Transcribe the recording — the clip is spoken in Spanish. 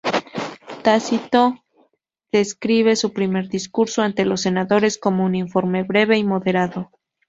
Tácito describe su primer discurso ante los senadores como un informe breve y moderado.